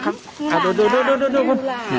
นี่เห็นจริงตอนนี้ต้องซื้อ๖วัน